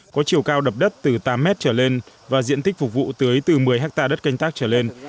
có chiều cao đập đất từ tám mét trở lên và diện tích phục vụ tưới từ một mươi hectare đất canh tác trở lên